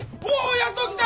やっと来た！